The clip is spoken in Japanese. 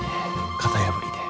型破りで。